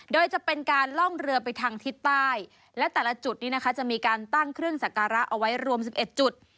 โดยจะเป็นการล่องเรือไปทางทิศใต้และแต่ละจุดนี้นะคะจะมีการตั้งเครื่องสักการะเอาไว้รวม๑๑จุด